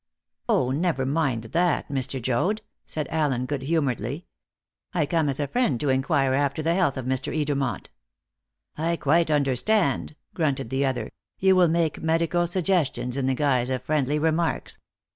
"Oh, never mind that, Mr. Joad," said Allen good humouredly. "I come as a friend to inquire after the health of Mr. Edermont." "I quite understand," grunted the other; "you will make medical suggestions in the guise of friendly remarks.